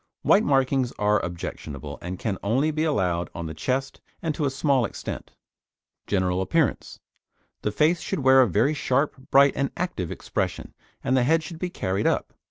White markings are objectionable, and can only be allowed on the chest and to a small extent. GENERAL APPEARANCE The face should wear a very sharp, bright and active expression, and the head should be carried up.